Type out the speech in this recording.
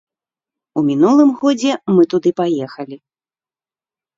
У мінулым годзе мы туды паехалі.